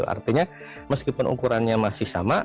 artinya meskipun ukurannya masih sama